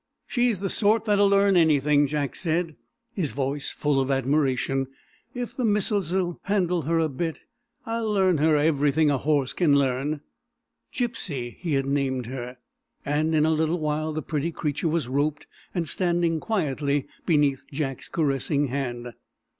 "She's the sort that'll learn anything," Jack said, his voice full of admiration. "If the missus'll handle her a bit, I'll learn her everything a horse can learn." "Gypsy" he had named her, and in a little while the pretty creature was "roped" and standing quietly beneath Jack's caressing hand.